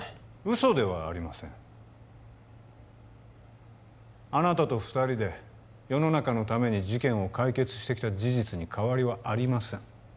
嘘ではありませんあなたと二人で世の中のために事件を解決してきた事実に変わりはありません